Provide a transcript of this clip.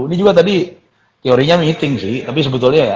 ini juga tadi teorinya meeting sih tapi sebetulnya ya